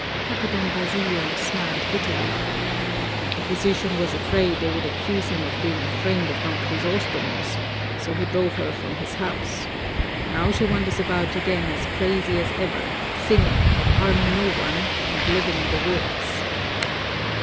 Capitan Basilio smiled bitterly. "The physician was afraid they would accuse him of being a friend of Don Crisostomo's, so he drove her from his house. Now she wanders about again as crazy as ever, singing, harming no one, and living in the woods."